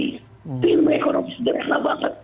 itu ilmu ekonomi sederhana banget